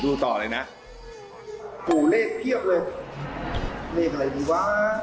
ดูค่ะดูพี่บอสค่ะ